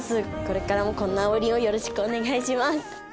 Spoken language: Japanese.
これからもこんな王林をよろしくお願いします。